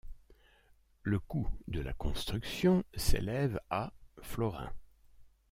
Le coût de la construction s'élève à florins.